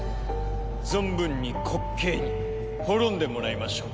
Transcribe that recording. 存分に滑稽に滅んでもらいましょう。